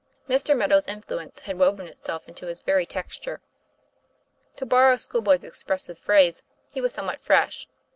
Mr. Meadow's influence had woven it self into his very texture. To borrow a schoolboy's expressive phrase, he was somewhat "fresh.''